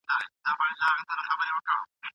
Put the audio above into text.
زکات د مال ساتونکی دی.